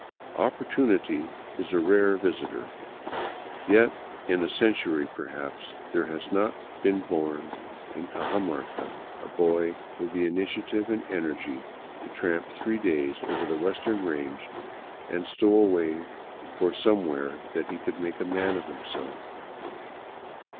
Opportunity is a rare visitor, yet in a century, perhaps, there has not been born in Cajamarca a boy with the initiative and energy to tramp three days over the western range and stow away for somewhere that he could make a man of himself.